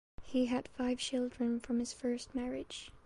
He had five children from his first marriage.